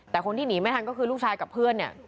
แต่คนที่หนีไม่ทันก็คือลูกชายกับเพื่อนเนี่ย